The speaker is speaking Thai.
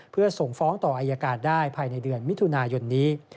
เพื่อส่งฟ้องต่ออายการได้ภายในเดือนมิถุนายนนี้